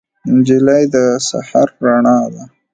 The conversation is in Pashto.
نجلۍ د سحر رڼا ده.